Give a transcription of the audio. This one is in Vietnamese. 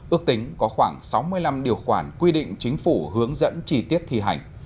ước tính có khoảng sáu mươi năm điều khoản quy định chính phủ hướng dẫn chi tiết thi hành